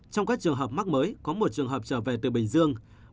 trong các trường hợp mắc mới có một trường hợp trở về từ bình dương